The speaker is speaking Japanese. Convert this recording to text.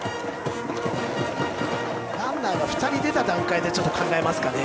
ランナーが２人出た段階なら、ちょっと考えますかね。